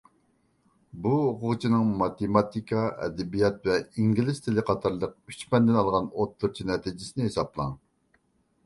بۇ ئوقۇغۇچىنىڭ ماتېماتىكا، ئەدەبىيات ۋە ئىنگلىز تىلى قاتارلىق ئۈچ پەندىن ئالغان ئوتتۇرىچە نەتىجىسىنى ھېسابلاڭ.